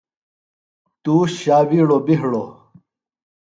توش ݜاوِیڑوۡ بیۡ ہِڑوۡ۔